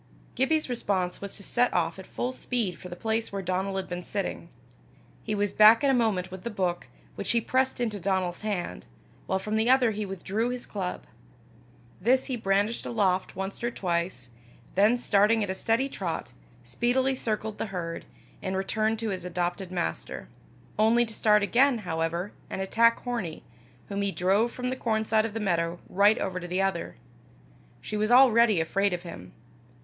Gibbie's response was to set off at full speed for the place where Donal had been sitting. He was back in a moment with the book, which he pressed into Donal's hand, while from the other he withdrew his club. This he brandished aloft once or twice, then starting at a steady trot, speedily circled the herd, and returned to his adopted master only to start again, however, and attack Hornie, whom he drove from the corn side of the meadow right over to the other: she was already afraid of him.